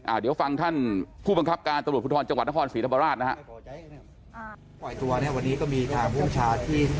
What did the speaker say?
เดี๋ยวฟังท่านผู้บังคับการตำรวจภูทรจังหวัดนครศรีธรรมราชนะฮะ